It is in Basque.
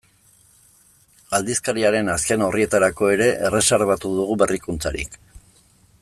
Aldizkariaren azken orrietarako ere erreserbatu dugu berrikuntzarik.